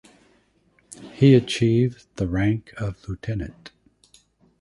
He achieved the rank of lieutenant.